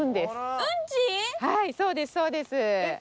そうですそうです。